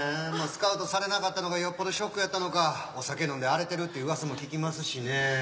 まあスカウトされなかったのがよっぽどショックやったのかお酒飲んで荒れてるっていううわさも聞きますしね。